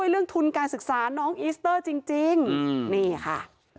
เรื่องทุนการศึกษาน้องอีสเตอร์จริงนี่ค่ะ